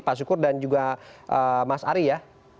pak syukur dan juga mas ari ya